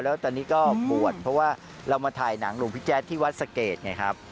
แล้วตอนนี้ก็บวชเพราะว่าเรามาถ่ายหนังหลวงพี่แจ๊ดที่วัดสะเกดไงครับ